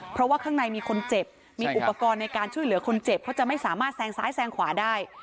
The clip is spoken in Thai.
เพราะว่าข้างในมีคนเจ็บมีอุปกรณ์ในการช่วยเหลือคนเจ็บเขาจะไม่สามารถแซงซ้ายแซงขวาได้